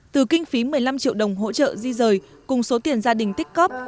từ kinh phí một mươi năm triệu đồng hỗ trợ di rời cùng số tiền gia đình tích cóp